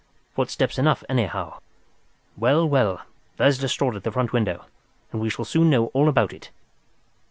Footsteps enough, anyhow! Well, well, there's Lestrade at the front window, and we shall soon know all about it."